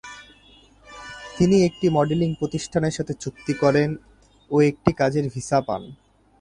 তিনি একটি মডেলিং প্রতিষ্ঠানের সাথে চুক্তি করেন ও একটি কাজের ভিসা পান।